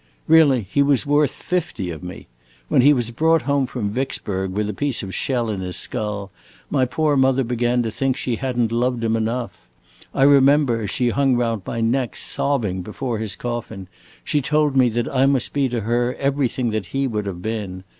Really, he was worth fifty of me! When he was brought home from Vicksburg with a piece of shell in his skull, my poor mother began to think she had n't loved him enough. I remember, as she hung round my neck sobbing, before his coffin, she told me that I must be to her everything that he would have been.